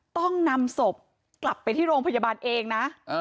ต้องนำศพกลับไปที่โรงพยาบาลเองนะ